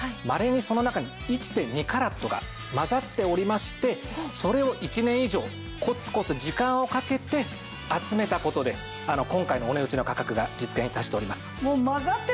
まれにその中に１．２カラットが混ざっておりましてそれを１年以上コツコツ時間をかけて集めた事で今回のお値打ちの価格が実現致しております。